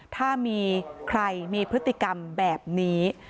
ถ้ามีใครมีพฤติกรรมแบบนี้